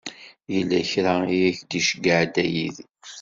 Yella kra i ak-d-iceyyeɛ Dda Yidir.